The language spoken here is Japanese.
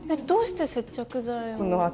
どうして接着剤を。